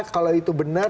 kalau itu benar